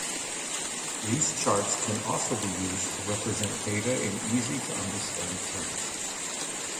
These charts can also be used to represent data in easy to understand terms.